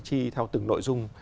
chi theo từng nội dung